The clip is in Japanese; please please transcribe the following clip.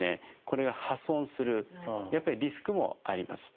これが破損するリスクもあります。